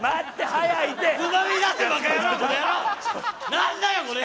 何だよこれ！